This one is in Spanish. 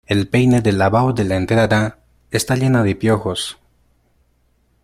El peine del lavabo de la entrada está llena de piojos.